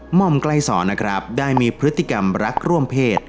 ม่อมไกลสอนนะครับได้มีพฤติกรรมรักร่วมเพศ